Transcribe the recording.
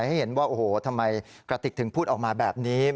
ให้เห็นว่าโอ้โหทำไมกระติกถึงพูดออกมาแบบนี้